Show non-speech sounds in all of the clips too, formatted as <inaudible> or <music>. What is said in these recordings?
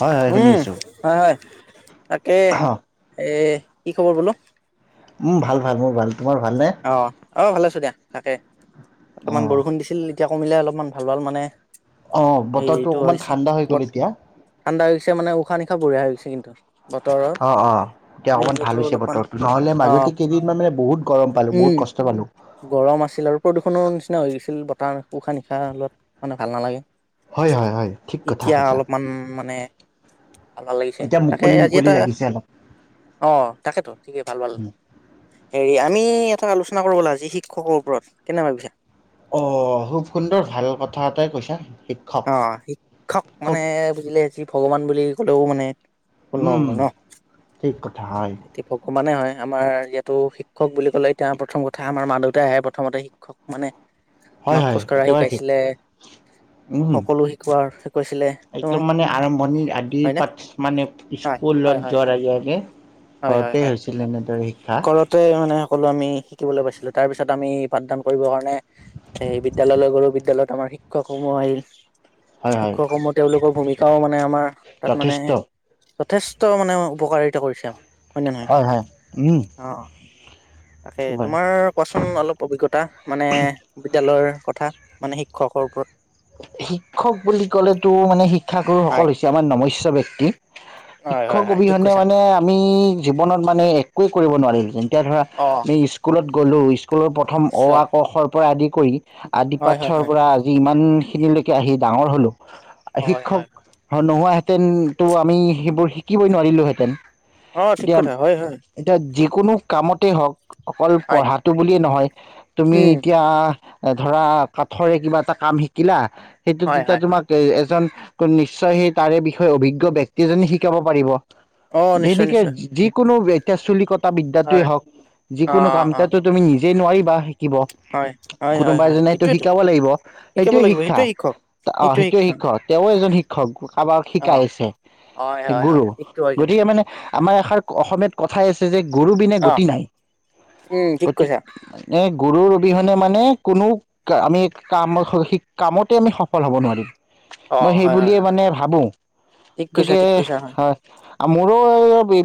অ'হয় হয় শুনি উম, আছোঁ। হয় হয় তাকে এ কি খবৰ বোলো। উম ভাল ভাল মোৰ ভাল। তোমাৰ ভালনে অ', অ' ভালে আছোঁ। দিয়া তাকে। অকমান অঁ বৰষুণ দিছিল নেকি। এতিয়া কমিলে অলপমান ভাল ভাল মানে। অঁ বতৰটো এইটো অকণমান হৈছে ঠাণ্ডা হৈ গ'ল বৰ এতিয়া ঠাণ্ডা হৈ গৈছে মানে উশাহ নিশাহ বঢ়িয়া হৈ গৈছে। কিন্ত অ', অ', এতিয়া অকমান ভাল হৈছে অলপমান বতৰটো নহ'লে মাজতে অ', কেইদিনমান মানে বহুত গৰম। পালোঁ বহুত উম, কষ্ট পালোঁ গৰম আছিল আৰু প্ৰদূষণৰ নিচিনা হৈ গৈছিল। আছিল বতাহ উশাহ নিশাহ লোৱাত মানে ভাল নালাগে। হয়, হয়, হয়, ঠিক কথা এতিয়া কৈছা। অলপমান মানে ভাল ভাল লাগিছে এতিয়া তাকে মুকলি আজি মুকলি এটা লাগিছে অলপ অ' তাকেতো ঠিকে ভাল ভাল হেৰি। আমি এটা আলোচনা কৰো ব'লা আজি শিক্ষকৰ ওপৰত কেনে ভাবিছা। অ' খুব সুন্দৰ ভাল কথা এটাই কৈছা। শিক্ষক অ' শিক্ষক মানে বুজিলে যি ভগৱান বুলি বুলি ক'লেও মানে ভূল নহ'ব উম ন, ঠিক কথা হয় শিক্ষকটো ভগৱানে হয়। আমাৰ ইয়াতটো শিক্ষক বুলি ক'লে এতিয়া প্ৰথম কথা আমাৰ মা দেউতাইহে প্ৰথমতে শিক্ষক মানে। হয়, আমাক হয়, খোজকঢ়া একেবাৰে ঠিক। শিকাইছিলে উম, সকলো শিকোৱা শিকাইছিলে ত একদম মানে আৰম্ভণিৰ আদিৰ হয়নে? পাত মানে হয় হয় স্কুলত হয় যোৱাৰ হয় আগে আগে হয়, হয়, ঘৰতে হয়, হৈছিল এনেদৰে শিক্ষা ঘৰতে মানে সকলো আমি শিকিবলৈ পাইছিলো তাৰ পিছত আমি পাঠদান কৰিবৰ কাৰণে এ বিদ্যালয়লৈ গ'লো বিদ্যালয়ত আমাৰ শিক্ষকসমূহ আহিল। হয় হয় শিক্ষকসমুহ তেওঁলোকৰ ভূমিকাও মানে আমাৰ তাত মানে যথেষ্ট যথেষ্ট মানে উপকাৰিতা কৰিছে। নে নহয়? হয়, হয়, উম। অ অ তাকে একেবাৰে তোমাৰ কোৱাচোন অলপ অভিজ্ঞতা মানে বিদ্যালয়ৰ। কথা মানে শিক্ষকৰ ওপৰত, শিক্ষক বুলি ক'লে তো মানে শিক শিক্ষাগুৰুসকল হয় হৈছে আমাৰ নমস্য ব্যক্তি। হয় শিক্ষক হয় হয় ঠিক অবিহনে কৈছা মানে আমি জীৱনত মানে একৱে কৰিব নোৱাৰি যেন। এতিয়া ধৰা অ আমি স্কুলত গ'লো ইচ স্কুলৰ প্ৰথম অ, নিশ্চয় আ, ক, খ, পৰা আদি কৰি আদি হয় হয় পাঠৰ হয় পৰা আজি ইমান ও' খিনিলৈকে আহি ডাঙৰ হ'লোঁ। হয় শিক্ষক হয় নোহোৱা হেতেন। তেন তো আমি সেইবোৰ শিকিবই নোৱাৰিলোহেঁতেন। অ ঠিক কথা হয় হয় এতিয়া-এতিয়া জি কোনো কামতেই হওক অকল হয় পঢ়াটো বুলিয়ে নহয়, তুমি উম এতিয়া, ধৰা কাঠৰে কিবা এটা কাম শিক কিলা। সেইটো হয় তেতিয়া হয় তোমাক এজন ত' নিশ্চয় সেই তাৰে বিষয়ে অভিজ্ঞ ব্যক্তি এজনে শিকাব পাৰিব। অ নিশ্চয় যেনেকে নিশ্চয় যিকোনো ব্য এটিয়া চুলি ক টা বিদ্যাতয়ে হয় হওক, অ অ যিকোনো অ কামাতো তুমি নিজ যে নোৱাৰিবা। শিকিব হয় হয় হয় কোনোবা হয় এজনেটো সেইটোয়েতো শিকাব লাগিব। শিকাব সেইটোৱে লাগিব শিক্ষা, শিক্ষক অ' সেইটোৱে সেইটো শিক্ষা শিক্ষক, তেওঁ এজন শিক্ষক। কাঁবাক অ শিকাই আছে, হয় হয় হয় গুৰু, ঠিকটো হয় কিন্তু গতিকে মানে আমাৰ এষাৰ অসমীয়াত কথাই আছে যে গুৰুবিনে অ গতি নাই। উম ঠিক গতি কৈছা গুৰুৰ অবিহনে মানে কোনো আমি কাম ঠিক কামতেই আমি সফল হ'ব নোৱাৰিম। অ মই সেই হয় হয় বুলিয়ে হয় মানে ভাবো, ঠিক কৈছা গতিকে ঠিক কৈছা হয় মোৰো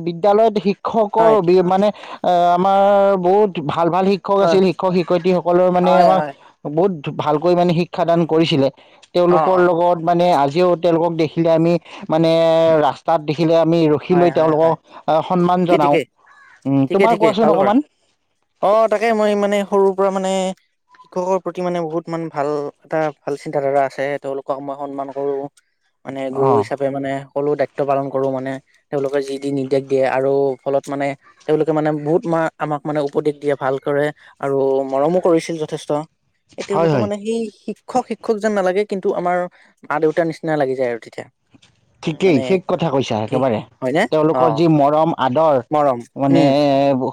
বিদ্যালয়ত শিক্ষ কৰ হয় অবি মানে অ' মাৰ বহুত ভা ভাল ভাল শিক্ষক হয় আছিল। শিক্ষক শিক্ষয়িত্ৰীসকলৰ মানে হয় আমাক হয় বহুত ত' ভালকৈ মানে শিক শিক্ষা দান কৰিছিলে। অ তেওঁলোকৰ অ লগত মানে আজ দিও তেওঁলোকক দেখিলে আমি মানে ৰাস্তাত দে হয়, হয়, হয় সন্মান ঠিকেই, জনাওঁ ঠিকেই, ঠিকেই, তোমাৰ ঠিকেই কোৱাচোন অকণমান <unintelligible> অ' তাকে মই মানে সৰুৰ পৰা মানে শিক্ষকৰ প্ৰতি মানে বহুত মান ভাল এটা ভাল চিন্তাধাৰা আছে। তেওঁলোকক মই সন্মান কৰোঁ। মানে গুৰু অঁ হিচাপে মানে সকলো দায়িত্ব পালন কৰোঁ মানে। তেওঁলোকে যি দি নিৰ্দেশ দিয়ে আৰু ফলত মানে তেওঁলোকে মানে বহুত মা-আমাক মানে উপদেশ দিয়ে ভালকৰে আৰু মৰমো কৰিছিল যথেষ্ট। এ হয় তেওঁলোকৰ হয় মানে সেই শিক শিক্ষক - শিক্ষক যেন নালাগে কিন্তু আমাৰ মা দেউতাৰ নিচিনা লাগি যায় আৰু তেতিয়া। ঠিকেই মানে ঠিক কথা কৈছা এই একেবাৰে। হয়নে অ তেওঁলোকৰ যি মৰম আদৰ, মৰম মানে উম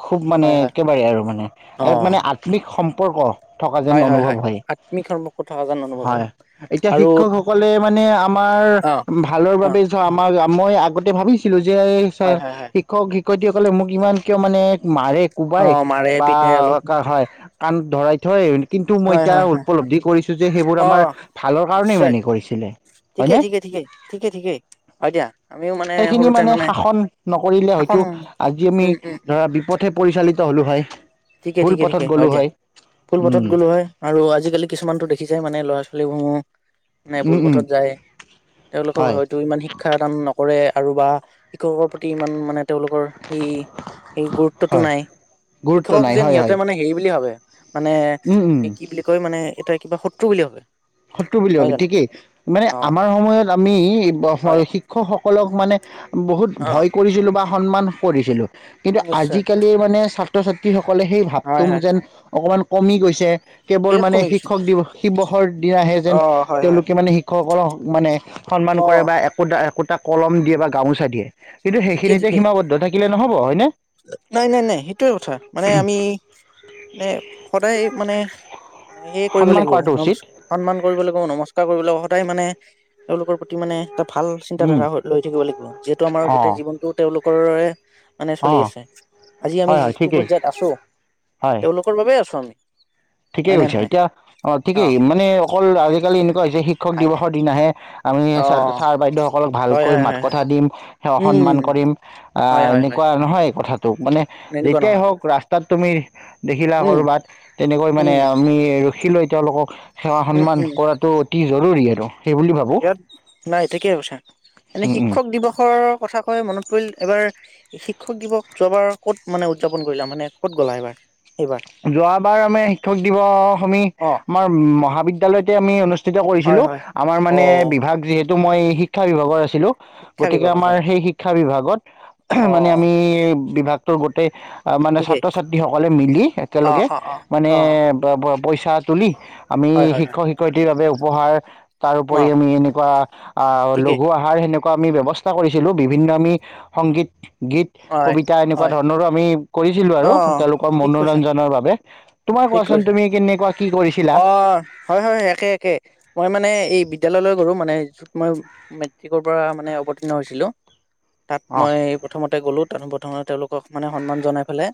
খুব মানে হয় হয় একেবাৰে আৰু মানে আলপ অ মানে আতনিক সম্পৰ্ক। থকা যেন হয় অনুভৱ হয়। আত্মিক ধৰ্ম কথা যেন অনুভৱ হয় এতিয়া আৰু শিক্ষকসকলে মানে আমাৰ অ অ ভা ওলৰ বাবে ঝ আমাৰ <unintelligible> মই আগতে ভাবিছিলো যে হয় হয় হয় ছা-শিক্ষক শি শিক্ষয়িত্ৰী মোক ইমান কিয় মানে মাৰে, অ কোবাই মাৰে বা পিটে অলপ কা হয়। কাণ ধৰাই থয়। কিন্তু মই হয় এতিয়া হয় হয় উপলব্ধি কৰিছো যে সেইবোৰ অ আমাৰ ভালৰ কাৰণেই নিশ্চয় মানে কৰিছিলে হয় নে? কে ঠিকেই, হয় দিয়া। আমিও মানে সেইখিনি সৰুতে মানে শাসন নকৰিলে শাসন হয়তো আজি আমি উম উম উম ধৰা বিপথে পৰিচালি ত হ'লো হয়। ঠিকে, ভুল ঠিকে, পথত ঠিকে হয় গ'লো দিয়া ভুলপথত উম গ'লো হয় আৰু আজিকালি কিছুমানতো দেখিছাই মানে ল'ৰা <unintelligible> নাই উম উম ভুলপথত যায় তেওঁলোকক হয় হয়তো ইমান শিক্ষা দান নকৰে। আৰু বা শিক্ষকৰ প্ৰতি ইমান মানে তেওঁলোকৰ সি সেই গুৰুত্বটো হয় নাই। গুৰুত্ব তোক নাই যেন হয় সিহতে হয় মানে হেৰি বুলি ভাবে মানে উম উম এই কি বুলি কয় মানে মানে এটা কিবা শত্ৰু বুলি ভাবে। শত্ৰু বুলি হয় ভাবি জানো ঠিকেই মানে অ আমাৰ সময়ত আমি হয় শিক্ষকসকলক মানে। বহুত অ ভয় কৰিছিলো বা সন্মান কৰিছিলোঁ। কিন্তু নিশ্চয় আজিকালিৰ মানে ছা ছাত্ৰ ছাত্ৰীসক কলে সেই ভাৱটো হয় হয় যেন অকমান কমি গৈছে। কেৱল বিৰাট মানে কমি গৈছে শিক্ষক দিৱস শিৱসৰ আহে অ যেন হয় হয় তেওঁলোকে হয় মানে শিক্ষক সকলক মানে সন্মান অ কৰে বা একোটা একোটাক কলম দিয়ে বা গামোচা দিয়ে। কিন্তু ঠিকেই সেইখিনিতে ঠিকেই সীমাবদ্ধ থাকিলে নহ'ব হয়নে? নাই নাই নাই সেইটোৱে কথা মানে আমি নে সদায় মানে সে কৰিব সন্মান লাগিব কৰাটো ম উচিত সন্মান কৰিব লাগিব নমস্কাৰ কৰিব লাগিব সদায় মানে তেওঁলোকৰ প্ৰতি মানে এটা ভাল চিন্তাধাৰা লৈ থাকিব লাগিব যিহেতু আমাৰ গোটেই অঁ জীৱনটো তেওঁলোকৰেৰে চলি অঁ আছে। আজি আমি হয় হয় যিটো ঠিকেই পৰ্যায়ত আছো তেওঁলোকৰ বাবে তেছো আমি। ঠিকে হয় নে কৈছা নহয় এতিয়া অ', ঠিকেই মানে অকল আজিকালি এনেকুৱা হৈছে শিক্ষক আই দিৱসৰ দিনাহে আমি অ ছাৰ বাইদেউ সকলক হয় ভালকৈ হয় হয় মাত হয় কথা দিম। সেৱা উম সন্মান কৰিম হয় আহ হয় হয় এনেকুৱা নহয় কথাত। মানে এনেকুৱা যেতিয়াই নহয় হওক ৰাস্তাত তুমি দেখিলা উম কৰবাত তেনেকৈ মানে উম আমি ৰখি লৈ তেওঁলোকক সেৱা সন্মান কৰাটো অতি জৰুৰি আৰু সেইবুলি অ ভাবোঁ ইয়াত নাই ঠিকেই কৈছা এনে উম উম। শিক্ষক দিৱসৰ কথা কৈ মনত পৰিল এবাৰ শিক্ষক দিৱস যোৱাবাৰ ক'ত মানে উদযাপন কৰিলা মানে ক'ত গ'লা এবাৰ যোৱাবাৰ আমি শিক্ষক দিৱস সমি অ আমাৰ মহাবিদ্যয়ালয়তে আমি অনুষ্ঠ অনুস্থিত হয় কৰিছিলো হয় আমাৰ অ মানে বিভাগ যিহেতু মই শিক্ষা বিভাগৰ আছ ছিলো শিক্ষা গতিকে বিভাগৰ আমাৰ হয় হয় সেই শিক্ষা বিভাগত অ মানে আমি বিভাগ ত গোটেই অ মানে ঠিকেই ছাত্ৰ ছাত্ৰীসকলে মিলি অ লগে অ অ মানে অ পইচা তুলি আমি হয় হয় হয় শিক্ষক শিক্ষয়ত্ৰীৰ বাবেও উপহাৰ অ তাৰপৰি আমি এনুকা আহ ঠিকেই লঘু আহাৰ সেনুক আমি ব্যৱস্থা কৰিছিলো বিভিন্ন আমি সংগীত গীত হয় কবিতা এনেকুৱা হয় ধৰণৰো আমি কৰিছিলো অ আৰু তেওঁলোকৰ ঠিক কৈছা মনোৰঞ্জন আমি তোমাৰ ঠিক কোৱাচোন কৈছা তুমি কেনেকুৱা কি অ কৰিছিলা ই মানে এই বিদ্যলয়লৈ গলো মানে য'ত মই মেট্ৰিকৰ পৰা মানে অৱতৰ্ণ হৈছিলো তাত অ'। মই প্ৰথমতে গ'লো তাত প্ৰথমতে তেওঁলোকক মানে সন্মান জনাই পেলে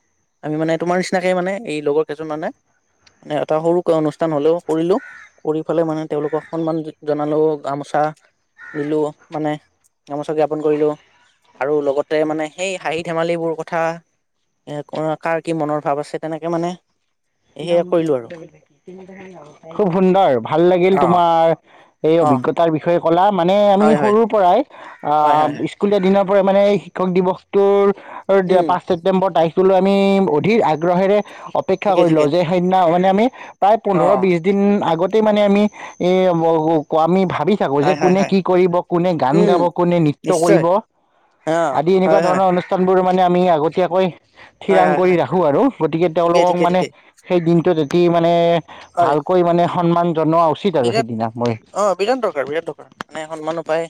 আমি মানে তোমাৰ নিচিনাকে মানে এই লগৰ কেইজন মানে এটা সৰুকৈ অনুষ্ঠান হ'লেও কৰিলো কৰি ফেলাই মানে তেওঁলোকক সন্মান জনালোও গামোচা দিলো মানে গামোচা জ্ঞাপন কৰিলো আৰু লগতে মানে সেই হাঁহি ধেমালিবোৰ কথা এ কঅ কাৰ কি মনৰ ভাৱ আছে তেনেকে মানে সেয়া কৰিলো আৰু খুব সুন্দৰ ভাল লাগিল অ তোমাৰ এই অ অভিজ্ঞতাৰ বিষয়ে ক'লা মানে আমি হয় হয় সৰুৰ পৰাই অ হয় হয় হয় স্কুলীয়া দিনত। মানে এই শিক্ষক দিৱসটোৰ আৰু দিয়া উম পাঁচ ছেপ্তেম্বৰ তাৰিখ টোলৈ আমি অধিক আগ্ৰহেৰে অপেক্ষা ঠিকেই কৰিলোঁ ঠিকেই সেইদনা মানে আমি প্ৰায় অ অ পোন্ধৰ, বিছ দিন আগত তে মানে আমি এ ও ও ক' আমি ভাত বি থাকো যে হয় হয় কোনে হয় কি কৰিব, কোনে গান উম গাব, কোনে নৃত্য নিশ্চয় কৰিব অ আদি হয় এনেকুৱা হয় ধৰণৰ অনুষ্ঠান। ত মানে আমি আগতীয়াকৈ। হয় থিৰাং হয় কৰি হয় ৰাখো আৰু গতিকে ঠিকেই তেওঁলোকক ঠিকেই মানে। ঠিকেই দিনটোত এটি মানে? হয় ভালকৈ মানে সন্মান। জনোৱা উচিত আৰু বিৰাট সেইদিনা মই অ বিৰাট দৰকাৰ বিৰাট দৰকাৰ মানে সন্মানো পায়।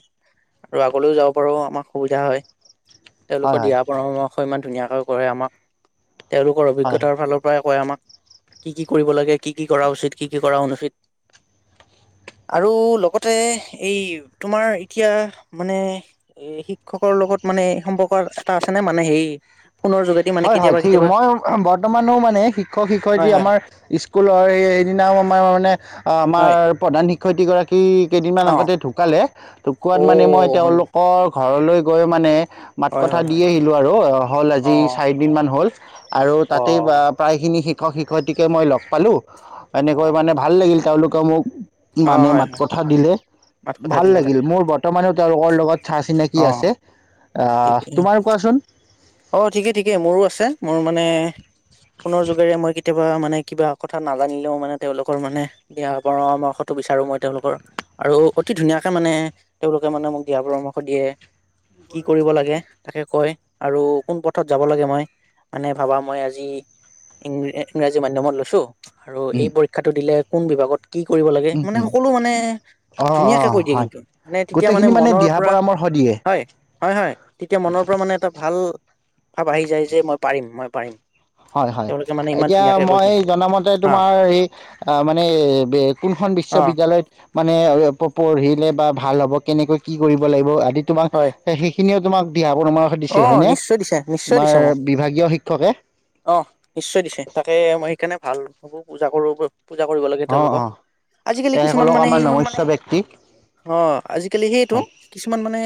আৰু আগলৈও যাব পাৰো। আমাৰ সুবিধা হয়। হয় তেওঁলোকৰ হয় দিহা পৰামৰ্শ। হই ইমান ধুনীয়াকৈ কৰে আমাক। তেওঁলোকৰ হয় অভিজ্ঞতাৰ ফালৰ পৰাই। কয় আমাক কি কি কৰিব লাগে কি কি কৰা উচিত কি কি কৰা অনুচিত। আৰু লগতে এই তোমাৰ এতিয়া মানে এ শিক্ষকৰ লগত মানে সম্পৰ্ক এটা আছে নে মানে হেৰি। ফোনৰ যোগেদি মানে হয়, হয় কেতিয়াবা ঠিক। কেতিয়াবা মই বৰ্তমানও মানে শিক্ষক- হয় শিক্ষয়িত্ৰী হয় আমাৰ স্কুলৰ সেইদিনাও আমাৰ মানে। অহ আমাৰ হয় প্ৰধান শিক্ষক। শিক্ষয়ত্ৰী গৰাকী। কেইদিনমান অ আগতে ঢুকালে অ ঢুকোৱাত মানে মই হয় তেওঁলোকৰ ঘৰলৈ। গৈ মানে মাত হয় কথা হয় দি হয় আহিলো আৰু অ হ'ল অ আজি <unintelligible> হ'ল আৰু অ তাতেই বা প্ৰায় খিনি শিক <unintelligible> শিক্ষয়িত্ৰীকে মই লগ পালোঁ - অ এনেকৈ মানে ভাল লাগিল তেওঁলোক ক' মোক অ মানে হয় মাত হয় কথা দিলে, মাত কথা ভাল দিলে লাগিল তাকে মোৰ বৰ্তমানে অ' লগত। চা-চিনাকি অ আছে। আ ঠিকেই তোমাৰ কোৱাচোন? অ' ঠিকে-ঠিকে, মোৰো আছে মোৰ মানে ফোনৰ যোগেৰে মই কেতিয়াও কিবা মানে কিবা কথা নাজানিলেও মানে তেওঁলোকৰ মানে দিয়া পৰামৰ্শটো বিচাৰো মই তেওঁলোকৰ আৰু অতি ধুনীয়াকে মানে তেওঁলোকে মানে মোক দিয়া পৰামৰ্শ দিয়ে, কি কৰিব লাগে তাকে কয়। আৰু কোন পথত যাব লাগে মই মানে ভাবা মই আজি ইং-ইংৰাজী মাধ্যমত লৈছো। আৰু এই উম পৰীক্ষাটো দিলে কোন বিভাগত কি কৰিব লাগে উম মানে উম সকলো মানে অ', ধুনীয়াকে অ', কৈ দিয়ে হয় কিন্তু মানে তেতিয়া মানে গোটেইখিনি মনৰ দিহা পৰা পৰামৰ্শ দিয়ে হয়-হয় হয় তেতিয়া মনৰ পৰা মানে উম। ভাৱ আহি যায় যে মই পাৰিম মই পাৰিম। হয়-হয় তেওঁলোকে মানে ইমান এতিয়া ধুনীয়াকে কৈ মই দিয়ে জনামতে অ তোমাৰ এই মানে কোনখন অ বিশ্ববিদ্যালয়ত মানে পঢ়িলে বা ভাল হ'ব, কেনেকৈ কি কৰিব লাগিব? তোমাক হয় সে সেইখিনি তোমাক দিহা পৰামৰ্শ অ দিছিল হয়নে, নিশ্চয় দিছে নিশ্চয় দিছে মোক তোমাৰ বিভাগীয় শিক্ষকে। অ', নিশ্চয় দিছে তাকে মই সেইকাৰণে ভাল ভাবো, পূজা কৰো পূজা কৰিব লাগে অ', তেওঁলোকক অ'। আজিকালি কিছুমান তেসকলক মানে আমাৰ সেই নমস্য ব্যক্তি অ', আজিকালি সেইটো হয়। কিছুমান মা মানে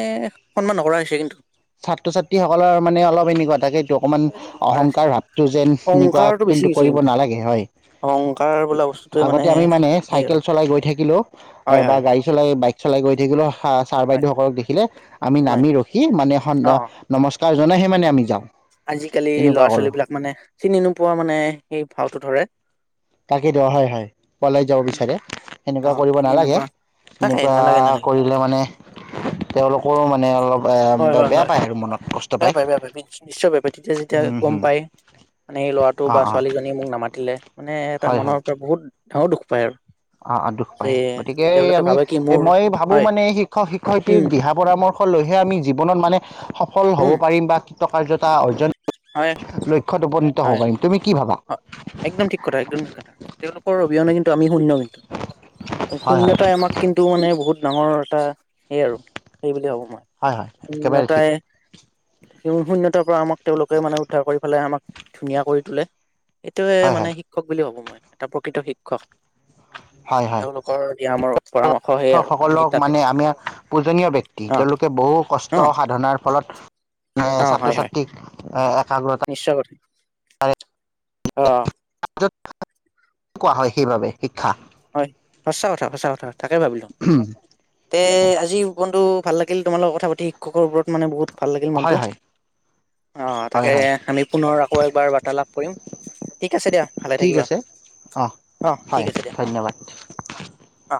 সন্মান নকৰা হৈছে কিন্তু। ছাত্ৰ-ছাত্ৰীসকলৰ মানে অলপ এনেকুৱা থাকে অকমান সেইটো নকৰা হৈছে অহংকাৰ ভাৱটো যেন এনেকোৱা অহংকাৰটো বেছি কিন্তু হৈছে কৰিব নালাগে হয়, অহংকাৰ বোলা বস্তুটোৱে আগতে আমি মানে সেই আৰু চাইকেল চলাই গৈ থাকিলেও হয় বা হয় হয় গাড়ী চলাই বা চলাই গৈ থাকিব। ছাৰ, হয় বাইদেউসকলক দেখিলে আমি হয় নামি ৰখি মানে অ অ নমস্কাৰ জ ওলাই আহে মানে আমি যাওঁ। আজিকালি তেনেকুৱা ল'ৰা- কৰোঁ ছোৱালী বিলাক মানে চিনি নোপোৱা মানে সেই ভাওটো ধৰে। তাকেই দিয়ক হয়- হয় পলাই যাব বিচাৰে অ সেনেকুৱা কৰিব চিনি নালাগে নোপোৱা তাকে এনেকুৱা নালাগে কৰিলে মানে তেওঁলোক হয়-হয়-হয় মনত কষ্ট বেয়া পায়, বেয়া পায় নিশ্চয় বেয়া পায়, তেতিয়া যেতিয়া হুম গম হুম পাই মানে ল'ৰাটো অঁ বা অঁ ছোৱালীজনী মোক নামাতিলে মানে এটা মনৰ পৰা বহুত ধৰ দুখ পায় আৰু অ' অ' দুখ যে পায়, গতিকে তেওঁলোকে আমি ভাবে কি এ মোৰ মই ভাবো হয় মানে শিক্ষক উম শিক্ষয়িত্ৰীৰ দিহা পৰামৰ্শ লৈহে আমি জীৱনত মানে সফল হ'ব উম পাৰিম বা কাৰ্যতা অৰ্জন হয় লক্ষ্যত উপনীত হ'ব হয় পাৰিম তুমি কি ভাবা? হয় একদম ঠিক কথা একদম ঠিক কথা, তেওঁলোকৰ অবিহনে কিন্তু আমি শূন্য কিন্তু, হয় হয় শূন্যতাই আমাক কিন্তু মানে বহুত ডাঙৰ এটা সেই আৰু, সেইবুলি ভবো মই। হয় হয় একেবাৰে ঠিক সুণ্যতাই সেই বোৰ শূন্যতাৰ পৰা আমাক-া তেওঁলোকে মানে উদ্ধাৰ কৰি পেলাই আমাক ধুনীয়া কৰি তোলে, এইটোয়ে হয় মানে হয় শিক্ষক বুলি ভাবো মই। এটা প্ৰকৃত শিক্ষক। তেওঁলোকৰ আমাৰো শিকসকলক মানে আমি পূজনীয় ব্যক্তি। অ তেওঁলোকে বহু কষ্ট অ সাধনাৰ ফলত অ ছাত্ৰ হয় হয় ছাত্ৰীক অ' নিশ্চয় কৰি, অ' কোৱা হয় সেইবাবে শিক্ষা, হয় সঁচা কথা সঁচা কথা, তাকে ভাবিলোঁ তে আজি জীৱনটো গিল কথা পাতি শিক্ষকৰ ওপৰত, মানে বহুত ভাল লাগিল মনটো, হয় হয় অঁ হয় তাকে হয় আমি পুনৰ আকৌ একবাৰ বাৰ্তালাপ কৰিম। ঠিক আছে দিয়া ভালে ঠিক থাকিবা, আছে অ অঁ ঠিক হয় আছে দিয়া অঁ ধন্যবাদ। অ'